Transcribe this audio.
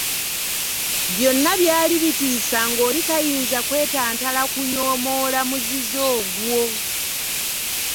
Byonna byali bitiisa ng’oli tayinza kwetantala kunyoomoola muzizo ogwo.